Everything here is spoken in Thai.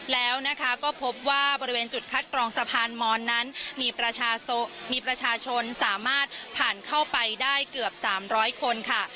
แล้วก็พบว่าบริเวณจุดคัดกรองสะพานมอนนั้นมีประชาชนสามารถผ่านเข้าไปได้เกือบ๓๐๐คนค่ะ